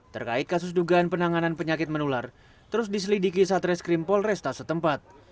terkait kasus dugaan penanganan penyakit menular terus diselidiki satres krimpol resta setempat